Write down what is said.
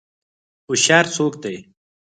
هوشیار څوک دی؟